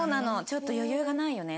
ちょっと余裕がないよね。